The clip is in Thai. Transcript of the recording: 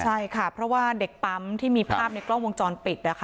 ใช่ค่ะเพราะว่าเด็กปั๊มที่มีภาพในกล้องวงจรปิดนะคะ